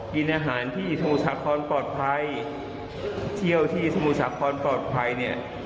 กินอาหารที่สมุทรสาครปลอดภัยเที่ยวที่สมุทรสาครปลอดภัยเนี่ย